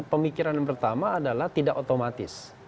pemikiran pertama adalah tidak otomatis